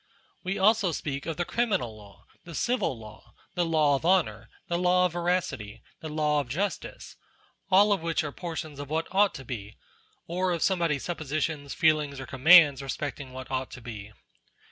We also speak of the criminal law, the civil law, the law of honour, the law of veracity, the law of justice ; all of which are por tions of what ought to be, or of somebody's suppositions, feelings, or commands respecting what ought to be.